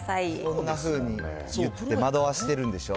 そんなふうに言って惑わしているんでしょ。